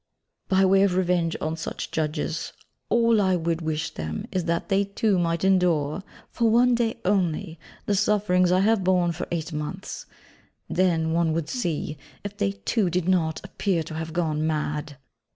By way of revenge on such judges, all I would wish them is that they too might endure, for one day only, the sufferings I have borne for eight months then, one would see, if they too did not 'appear to have gone mad.'